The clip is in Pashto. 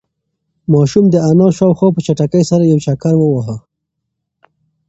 ماشوم د انا شاوخوا په چټکۍ سره یو چکر وواهه.